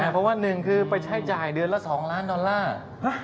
เพราะว่าหนึ่งคือไปใช้จ่ายเดือนละ๒ล้านดอลลาร์